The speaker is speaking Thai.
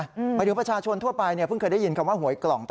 หมายถึงประชาชนทั่วไปเพิ่งเคยได้ยินคำว่าหวยกล่อง